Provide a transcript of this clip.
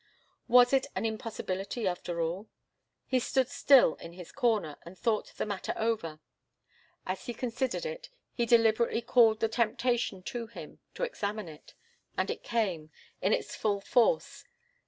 Was it an impossibility, after all? He stood still in his corner, and thought the matter over. As he considered it, he deliberately called the temptation to him to examine it. And it came, in its full force.